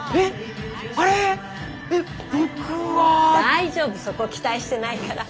大丈夫そこ期待してないから。